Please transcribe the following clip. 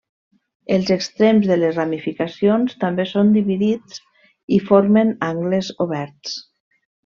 Els extrems de les ramificacions també són dividits i formen angles oberts.